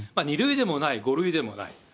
２類でもない、５類でもない。